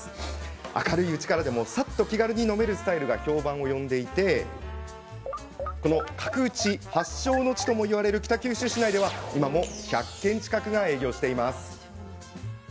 明るいうちからでもさっと気軽に飲めるスタイルが評判を呼び角打ち発祥の地ともいわれる北九州市内では今も１００軒近くが営業しているんです。